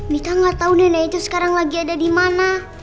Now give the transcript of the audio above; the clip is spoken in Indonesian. mita gak tau nenek itu sekarang lagi ada dimana